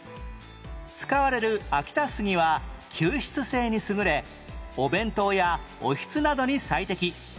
使われる秋田杉は吸湿性に優れお弁当やおひつなどに最適